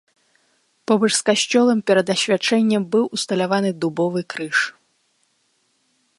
Побач з касцёлам перад асвячэннем быў усталяваны дубовы крыж.